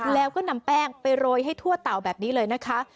แล้วก็นำแป้งไปโรยให้ทั่วเต่าแบบนี้เลยนะคะ